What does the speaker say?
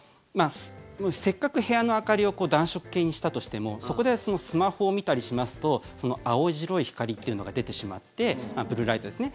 せっかく部屋の明かりを暖色系にしたとしてもそこでスマホを見たりしますと青白い光というのが出てしまってブルーライトですね。